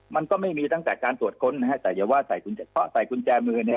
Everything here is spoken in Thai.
มันก็ไม่มีตั้งแต่การตรวจค้นนะฮะแต่อย่าว่าใส่กุญแจใส่กุญแจมือเนี่ย